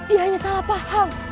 dia hanya salah paham